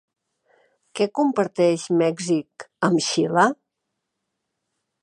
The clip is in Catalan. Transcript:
Què comparteix Mèxic amb Xile?